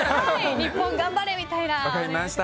日本頑張れ！みたいな。